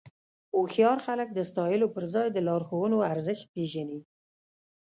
هوښیار خلک د ستایلو پر ځای د لارښوونو ارزښت پېژني.